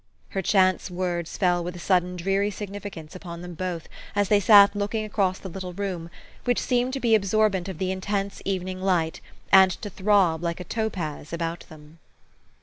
Her chance words fell with a sudden dreary signi ficance upon them both as they sat looking across the little room, which seemed to be absorbent of the intense evening light, and to throb like a topaz about them.